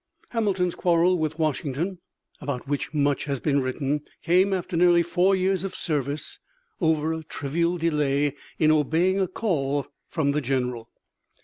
Hamilton's quarrel with Washington, about which much has been written, came after nearly four years' service over a trivial delay in obeying a call from the General.